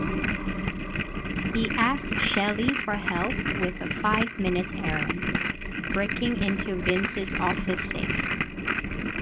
He asks Shelly for help with a five-minute errand: breaking into Vince's office safe.